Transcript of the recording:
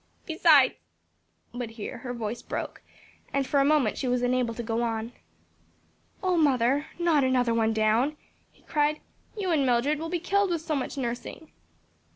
Besides " but here her voice broke, and for a moment she was unable to go on. "O mother, not another one down?" he cried, "You and Mildred will be killed with so much nursing."